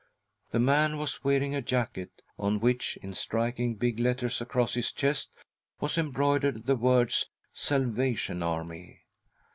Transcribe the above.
The man was wearing a jacket on which, in striking big letters across his chest, was embroidered the words Salvation Army.